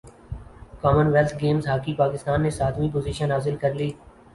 common wealth games hockey Pakistan نے ساتویں position حاصل کر لی